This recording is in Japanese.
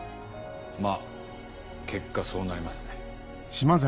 まぁ結果そうなりますね。